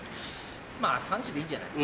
まぁ３時でいいんじゃない？